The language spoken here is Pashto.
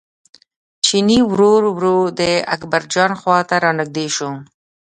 چیني ورو ورو د اکبرجان خواته را نژدې شو.